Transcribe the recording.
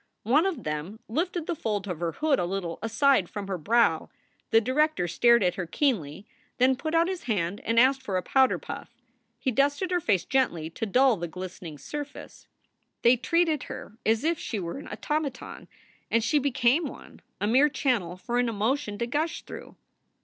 One of them lifted the fold of her hood a little aside from her brow. The director stared at her keenly, then put out his hand and asked for a powder puff. He dusted her face gently to dull the glistening surface. They treated her as if she were an automaton, and she became one, a mere channel for an emotion to gush through.